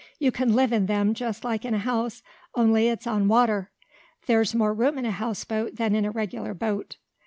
You can live in them just like in a house, only it's on water. There's more room in a houseboat than in a regular boat.